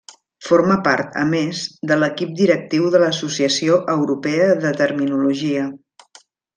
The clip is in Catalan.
Forma part, a més, de l'equip directiu de l'Associació Europea de Terminologia.